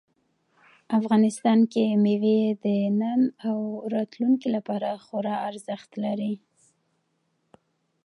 افغانستان کې مېوې د نن او راتلونکي لپاره خورا ارزښت لري.